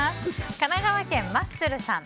神奈川県の方。